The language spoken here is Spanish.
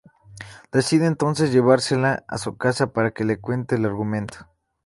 Decide entonces llevársela a su casa para que le cuente el argumento.